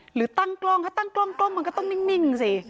หรือตั้งกล้องถ้าตั้งกล้องมันก็ต้องนิ่งสิ